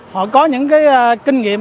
họ có những kinh nghiệm